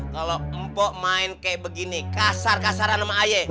kalau bu main kayak begini kasar kasaran sama saya